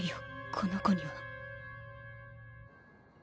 この子には